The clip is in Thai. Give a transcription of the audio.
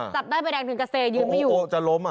จับได้ใบแดงถึงกระเซยื้มไม่อยู่